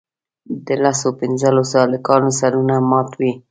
د لسو پینځلسو هلکانو سرونه مات وي.